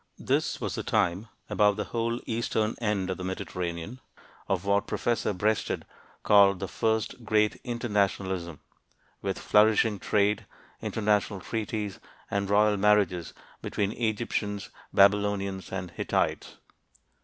This was the time about the whole eastern end of the Mediterranean of what Professor Breasted called the "first great internationalism," with flourishing trade, international treaties, and royal marriages between Egyptians, Babylonians, and Hittites.